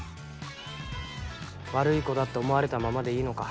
悪い子だって思われたままでいいのか？